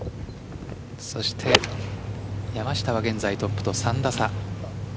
そして、山下は現在トップと３打差。